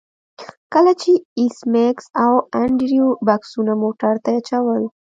کله چې ایس میکس او انډریو بکسونه موټر ته اچول